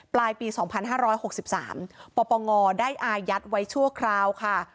ปลายปี๒๕๖๓ปปงได้อายัดไว้ชั่วคราวค่ะ